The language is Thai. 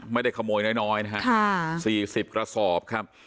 ไม่ได้ขโมยน้อยน้อยนะฮะค่ะสี่สิบกระสอบครับ